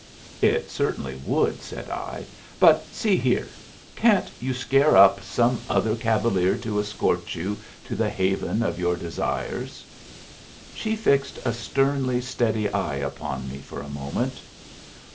"It certainly would," said I; "but see here can't you scare up some other cavalier to escort you to the haven of your desires?" She fixed a sternly steady eye upon me for a moment.